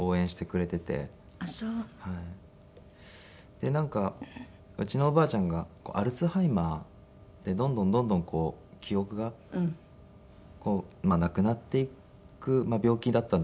でなんかうちのおばあちゃんがアルツハイマーでどんどんどんどんこう記憶がなくなっていく病気だったんですけども。